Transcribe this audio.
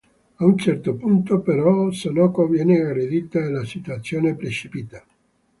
A un certo punto, però, Sonoko viene aggredita e la situazione precipita.